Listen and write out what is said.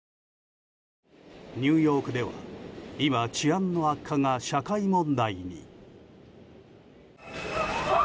ニューヨークでは今、治安の悪化が社会問題に。